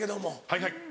はいはい。